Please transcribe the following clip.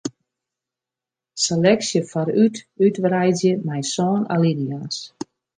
Seleksje foarút útwreidzje mei sân alinea's.